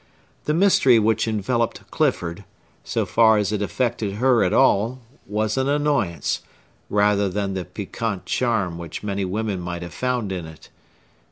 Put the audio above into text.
The mystery which enveloped Clifford, so far as it affected her at all, was an annoyance, rather than the piquant charm which many women might have found in it.